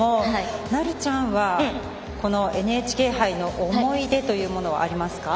なるちゃんは、ＮＨＫ杯の思い出というものはありますか？